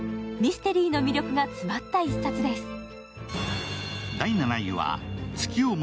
ミステリーの魅力が詰まった１冊です。